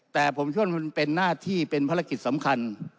แต่ผมเชื่อว่ามันเป็นหน้าที่เป็นภารกิจสำคัญ